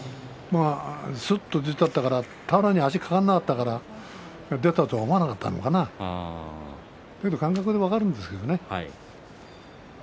すっと出ちゃったから俵に足が、かからなかったから出たと思わなかったのかな感覚で分かるんですけどね。